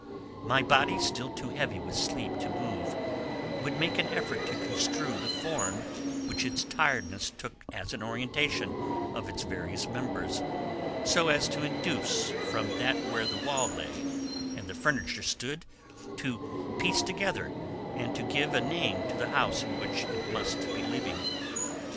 My body, still too heavy with sleep to move, would make an effort to construe the form which its tiredness took as an orientation of its various members, so as to induce from that where the wall lay and the furniture stood, to piece together and to give a name to the house in which it must be living.